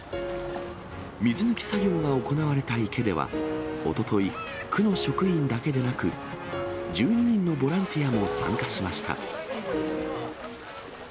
水抜き作業が行われた池では、おととい、区の職員だけでなく、１２人のボランティアも参加しました。